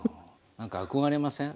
何か憧れません？